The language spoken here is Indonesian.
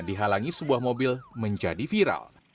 dihalangi sebuah mobil menjadi viral